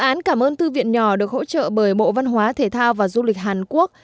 dự án cảm ơn thư viện nhỏ được hỗ trợ bởi bộ văn hóa thể thao và du lịch hàn quốc